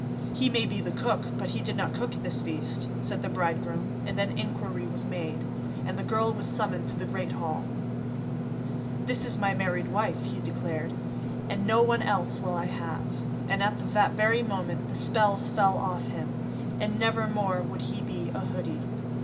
'He may be the cook, but he did not cook this feast,' said the bridegroom, and then inquiry was made, and the girl was summoned to the great hall. 'That is my married wife,' he declared, 'and no one else will I have,' and at that very moment the spells fell off him, and never more would he be a hoodie.